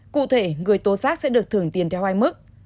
cụ thể người tố giác sẽ được thưởng tiền theo hai mức